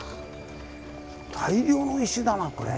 大量の石だなこれ。